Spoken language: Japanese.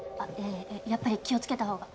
やっぱり気を付けた方が。